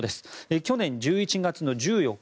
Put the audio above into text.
去年１１月１４日